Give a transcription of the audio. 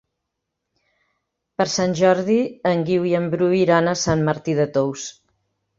Per Sant Jordi en Guiu i en Bru iran a Sant Martí de Tous.